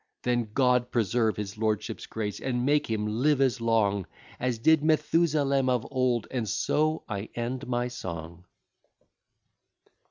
Then God preserve his lordship's grace, and make him live as long As did Methusalem of old, and so I end my song.